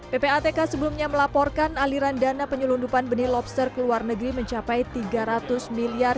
ppatk sebelumnya melaporkan aliran dana penyelundupan benih lobster ke luar negeri mencapai tiga ratus miliar